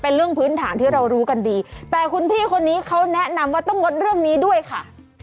เป็นเรื่องพื้นฐานที่เรารู้กันดีแต่คุณพี่คนนี้เขาแนะนำว่าต้องงดเรื่องนี้ด้วยค่ะ